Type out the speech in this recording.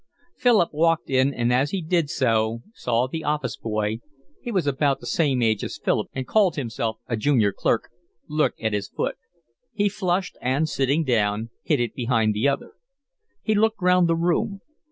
Philip walked in, and as he did so saw the office boy—he was about the same age as Philip and called himself a junior clerk—look at his foot. He flushed and, sitting down, hid it behind the other. He looked round the room.